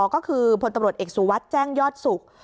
ก็คือพลตำรวจเอกสุวัสดิ์แจ้งยอดศุกร์